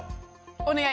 お願い。